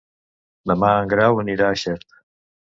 Demà en Grau anirà a Xert.